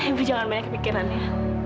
ibu jangan banyak kepikiran ya